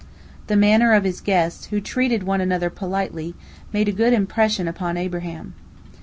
The manner of his guests, who treated one another politely, made a good impression upon Abraham.